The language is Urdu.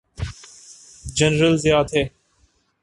جنرل ضیاء تھے۔